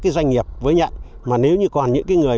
cái doanh nghiệp với nhận mà nếu như còn những cái người